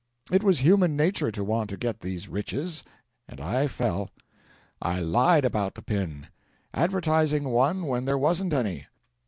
It was human nature to want to get these riches, and I fell. I lied about the pin advertising one when there wasn't any.